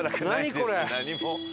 これ。